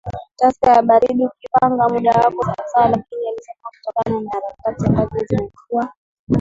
Tusker ya baridiUkipanga muda wako sawasawaLakini alisema kutokana na harakati ambazo zimekuwa